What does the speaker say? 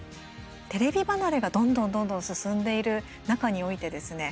テレビ離れがどんどん進んでいる中においてですね